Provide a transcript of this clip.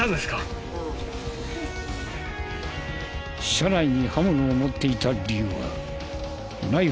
車内に刃物を持っていた理由は。